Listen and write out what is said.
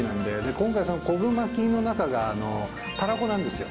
今回昆布巻きの中がたらこなんですよ。